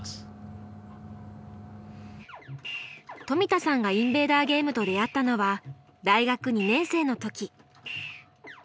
冨田さんがインベーダーゲームと出会ったのは大学２年生の時。